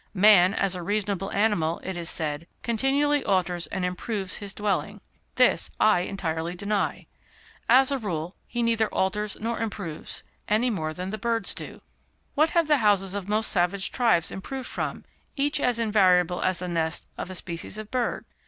Man, as a reasonable animal, it is said, continually alters and improves his dwelling. This I entirely deny. As a rule, he neither alters nor improves, any more than the birds do. What have the houses of most savage tribes improved from, each as invariable as the nest of a species of bird?